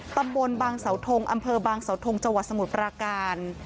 ตำบลบางเสาทงอำเภอบางเสาทงจังหวัดสมุทรปราการ